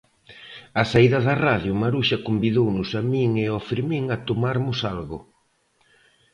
Á saída da radio, Maruxa convidounos a min e ao Fermín a tomarmos algo.